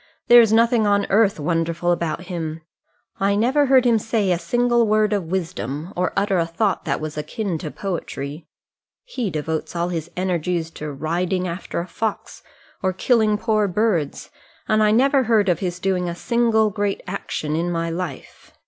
There is nothing on earth wonderful about him. I never heard him say a single word of wisdom, or utter a thought that was akin to poetry. He devotes all his energies to riding after a fox or killing poor birds, and I never heard of his doing a single great action in my life.